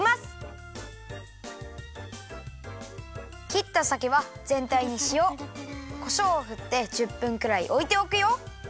きったさけはぜんたいにしおこしょうをふって１０分くらいおいておくよ。